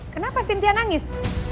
kenapa sintia nangis